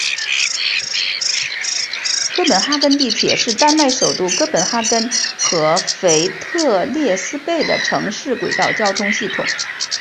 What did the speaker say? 哥本哈根地铁是丹麦首都哥本哈根和腓特烈斯贝的城市轨道交通系统。